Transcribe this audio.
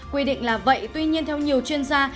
quy định là vậy tuy nhiên theo nhiều chuyên gia